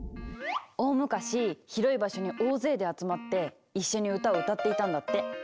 大むかし広い場所に大勢で集まって一緒に歌を歌っていたんだって。